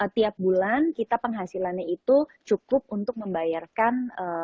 tiap bulan kita penghasilannya itu cukup untuk membayarkan